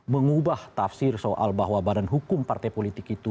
mengubah tafsir soal bahwa badan hukum partai politik itu